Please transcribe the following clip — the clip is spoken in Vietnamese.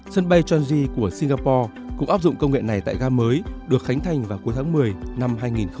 sân bay changji của singapore cũng áp dụng công nghệ này tại ga mới được khánh thành vào cuối tháng một mươi năm hai nghìn một mươi tám